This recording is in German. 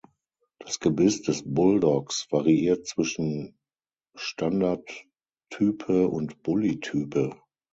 Das Gebiss des Bulldogs variiert zwischen Standard-Type und Bully-Type.